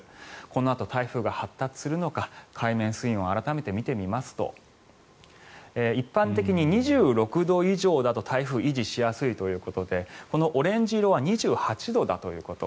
このあと、台風が発達するのか海面水温を改めて見てみますと一般的に２６度以上だと台風は維持しやすいということでこのオレンジ色は２８度だということ。